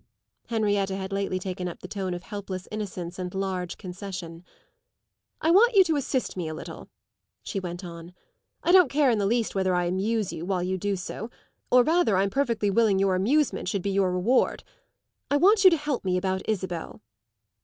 Henrietta had lately taken up the tone of helpless innocence and large concession. "I want you to assist me a little," she went on. "I don't care in the least whether I amuse you while you do so; or, rather, I'm perfectly willing your amusement should be your reward. I want you to help me about Isabel."